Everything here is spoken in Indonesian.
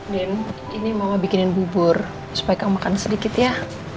ini mama bikinin bubur supaya kamu makan sedikit ya